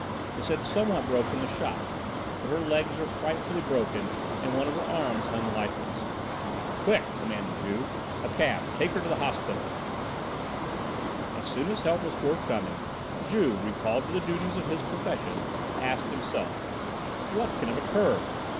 This had somewhat broken the shock, but her legs were frightfully broken and one of her arms hung lifeless. "Quick!" commanded Juve. "A cab; take her to the hospital." As soon as help was forthcoming, Juve, recalled to the duties of his profession, asked himself: "What can have occurred?